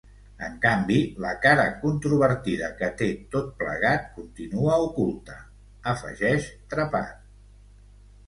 En canvi, la cara controvertida que té tot plegat continua oculta –afegeix Trepat–.